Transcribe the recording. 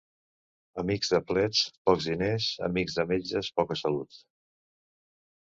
Amic de plets, pocs diners; amic de metges, poca salut.